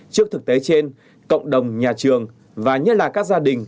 trước thực tế trên cộng đồng nhà trường và nhất là các gia đình